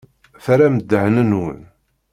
Terram ddehn-nwen.